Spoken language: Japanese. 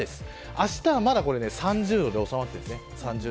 あしたは３０度で収まっています。